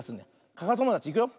かかともだちいくよ。